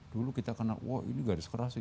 dulu kita kena wah ini garis keras sih